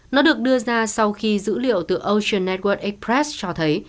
nó được đưa ra sau khi dữ liệu từ ocean niger express cho thấy